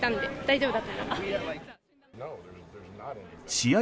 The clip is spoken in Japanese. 試合